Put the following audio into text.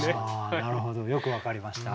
なるほどよく分かりました。